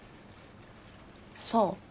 そう？